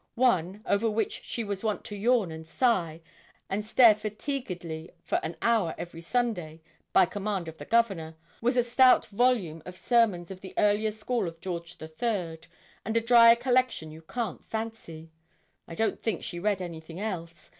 One, over which she was wont to yawn and sigh, and stare fatiguedly for an hour every Sunday, by command of the Governor, was a stout volume of sermons of the earlier school of George III., and a drier collection you can't fancy. I don't think she read anything else.